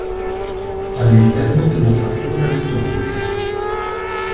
All'interno della fattura elettronica.